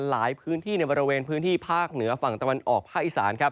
หลายพื้นที่ในบริเวณพื้นที่ภาคเหนือฝั่งตะวันออกภาคอีสานครับ